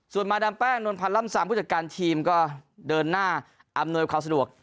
ส่วนมาดามแป้งนวลพันธ์ล่ำซามผู้จัดการทีมก็เดินหน้าอำนวยความสะดวก